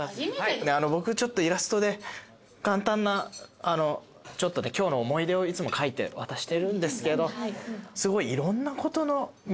僕ちょっとイラストで簡単な今日の思い出をいつも描いて渡してるんですけどすごい。